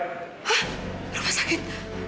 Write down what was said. hah rumah sakit